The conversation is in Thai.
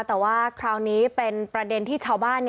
แต่ว่าคราวนี้เป็นประเด็นที่ชาวบ้าน